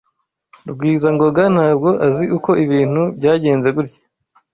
Rugwizangoga ntabwo azi uko ibintu byagenze gutya.